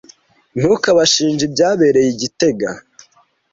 Ntukabashinje ibyabereye i gitega.